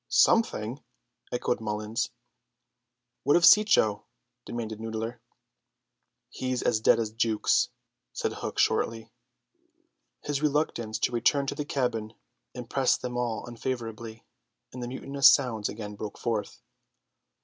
"Something!" echoed Mullins. "What of Cecco?" demanded Noodler. "He's as dead as Jukes," said Hook shortly. His reluctance to return to the cabin impressed them all unfavourably, and the mutinous sounds again broke forth.